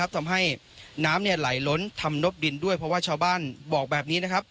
ทำให้น้ำไหลล้นทำนบดินด้วยเพราะว่าชาวบ้านบอกแบบนี้นะครับ